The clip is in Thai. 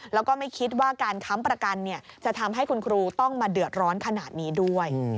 แล้วก็ไม่คิดว่าการค้ำประกันจะทำให้คุณครูต้องมาเดือดร้อนขนาดนี้ด้วย